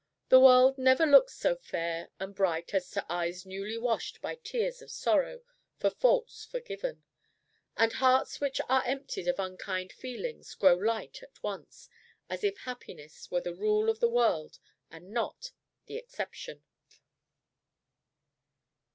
The world never looks so fair and bright as to eyes newly washed by tears of sorrow for faults forgiven; and hearts which are emptied of unkind feelings grow light at once, as if happiness were the rule of the world and not the exception.